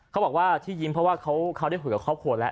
เขาบอกว่าที่ยิ้มเพราะว่าเขาได้คุยกับครอบครัวแล้ว